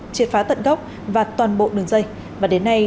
triệt phá tận gốc và toàn bộ đường dây